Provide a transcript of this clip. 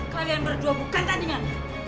kalian berdua bukan tandingan